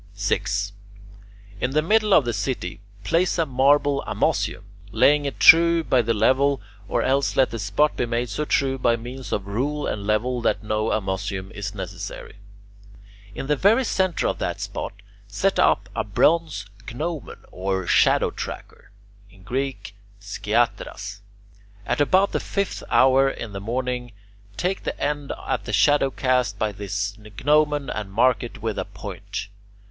6. In the middle of the city place a marble amussium, laying it true by the level, or else let the spot be made so true by means of rule and level that no amussium is necessary. In the very centre of that spot set up a bronze gnomon or "shadow tracker" (in Greek [Greek: skiatheras]). At about the fifth hour in the morning, take the end of the shadow cast by this gnomon, and mark it with a point.